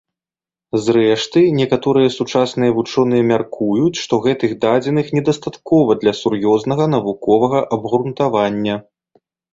Зрэшты, некаторыя сучасныя вучоныя мяркуюць, што гэтых дадзеных недастаткова для сур'ёзнага навуковага абгрунтавання.